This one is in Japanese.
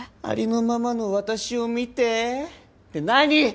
ありのままの私を見てって何！？